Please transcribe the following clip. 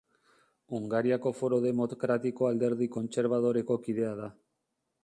Hungariako Foro Demokratiko alderdi kontserbadoreko kidea da.